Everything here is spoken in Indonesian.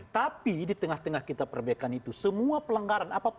tapi di tengah tengah kita perbaikan itu semua pelanggaran apapun